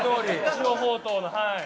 塩ほうとうのはい。